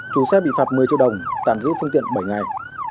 chủ xe bị phạt một mươi triệu đồng tạm giữ phương tiện bảy ngày